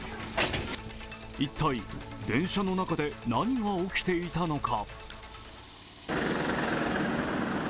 一体、電車の中で何が起きていたのか。